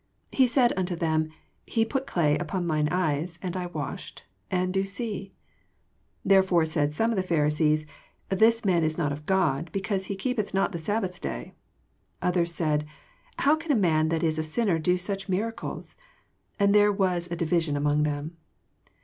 He said unto them, He put clay upon mine eyes, and I washed, and do see. 16 Therefore said some of the Phar isees, This man is not of God, because he keepeth not the sabbath day. Others said. How can a man that is a sinner do such miracles? And there was a division among them.